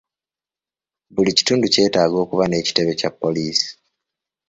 Buli kitundu kyetaaga okuba n'ekitebe Kya poliisi.